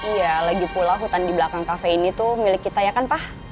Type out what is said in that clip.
iya lagi pula hutan di belakang kafe ini tuh milik kita ya kan pak